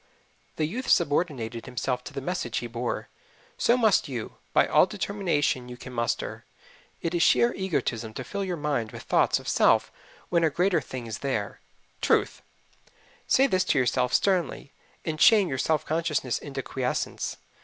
The youth subordinated himself to the message he bore. So must you, by all the determination you can muster. It is sheer egotism to fill your mind with thoughts of self when a greater thing is there TRUTH. Say this to yourself sternly, and shame your self consciousness into quiescence.